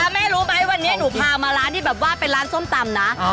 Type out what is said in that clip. แม่รู้ไหมวันนี้หนูพามาร้านที่แบบว่าเป็นร้านส้มตำนะ